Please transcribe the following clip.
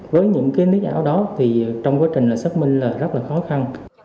với những nét ảo đó trong quá trình xác minh rất là khó khăn